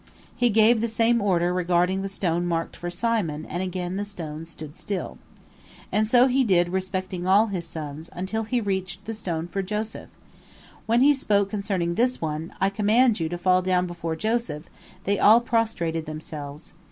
He gave the same order regarding the stone marked for Simon, and again the stones stood still. And so he did respecting all his sons, until he reached the stone for Joseph. When he spoke concerning this one, "I command you to fall down before Joseph," they all prostrated themselves.